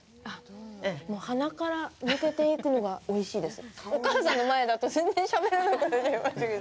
鼻から抜けていくのが、おいしいです。